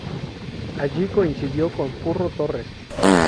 Allí coincidió con Curro Torres.